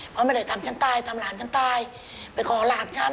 เพราะไม่ได้ทำฉันตายทำหลานฉันตายไปขอหลานฉัน